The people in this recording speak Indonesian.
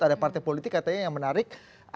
ada partai politik katanya yang menarik